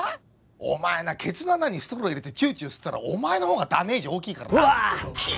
お前なケツの穴にストロー入れてチューチュー吸ったらお前のほうがダメージ大きいからな？